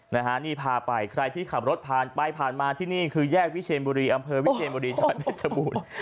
นะฮะนี่พาไปใครที่ขับรถไปผ่านมาที่นี่คือแยกวิเชมบุรีอำเภอวิเชมบุรีชาวเฮชชะบูน